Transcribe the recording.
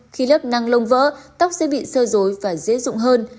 khi lớp năng lông vỡ tóc sẽ bị sơ dối và dễ dụng hơn